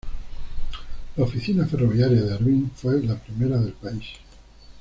La Oficina ferroviaria de Harbin fue la primera del país.